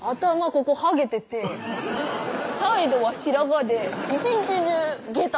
ここハゲててサイドは白髪で一日中げた